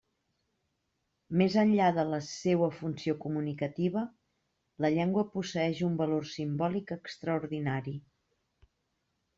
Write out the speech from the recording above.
Més enllà de la seua funció comunicativa, la llengua posseeix un valor simbòlic extraordinari.